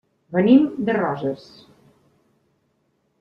Venim de Roses.